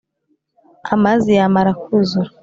amazi yamará kuzura